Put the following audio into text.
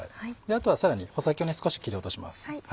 あとはさらに穂先を少し切り落とします。